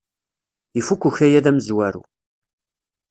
Ifuk ukayad amezwaru!